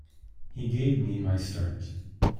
He gave me my start.